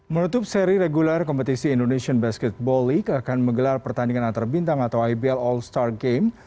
menutup seri regular kompetisi indonesian basketball league akan menggelar pertandingan antar bintang atau ibl all star game